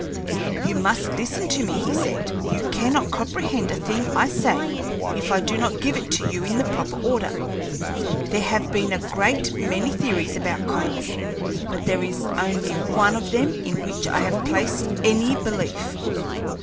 "You must listen to me," he said. "You cannot comprehend a thing I say if I do not give it to you in the proper order. There have been a great many theories about comets, but there is only one of them in which I have placed any belief.